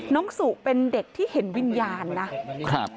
สุเป็นเด็กที่เห็นวิญญาณนะครับ